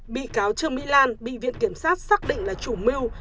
bị cáo trương mỹ lan bị viện kiểm sát xác định là chủ mưu